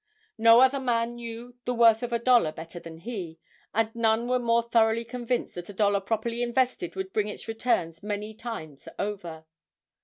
No other man knew the worth of a dollar better than he, and none were more thoroughly convinced that a dollar properly invested would bring its returns many times over.